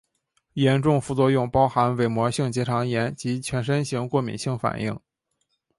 严重副作用包含伪膜性结肠炎及全身型过敏性反应。